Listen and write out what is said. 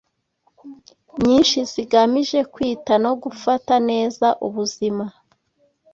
nyinshi zigamije kwita no gufata neza ubuzima